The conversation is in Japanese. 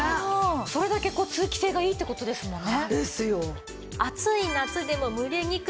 それだけこう通気性がいいって事ですもんね。